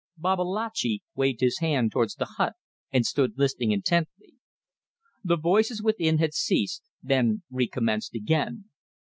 Babalatchi waved his hand towards the hut and stood listening intently. The voices within had ceased, then recommenced again.